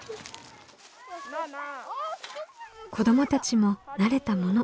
子どもたちも慣れたもの。